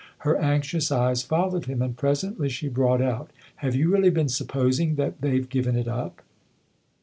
Her anxious eyes followed him, and presently she brought out: " Have you really been supposing that they've given it up